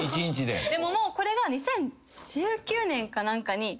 でももうこれが２０１９年か何かに廃番？